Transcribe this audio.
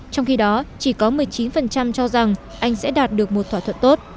trong khi đó chỉ có một mươi chín cho rằng anh sẽ đạt được một thỏa thuận tốt